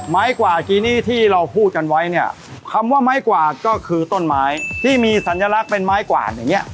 กว่าจีนี่ที่เราพูดกันไว้เนี่ยคำว่าไม้กวาดก็คือต้นไม้ที่มีสัญลักษณ์เป็นไม้กวาดอย่างเงี้